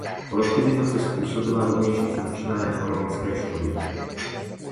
Kolektivizace způsobila rovněž i značné ekonomické škody.